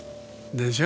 でしょ？